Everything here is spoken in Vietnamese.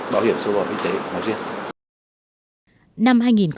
bảo hiểm xã hội y tế nói riêng